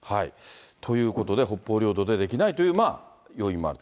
ということで、北方領土でできないという要因もあると。